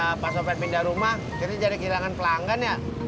gara gara pas sopir pindah rumah jadi jadi kehilangan pelanggan ya